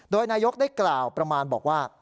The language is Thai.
โดยนายกได้กล่าวประมาณบอกว่า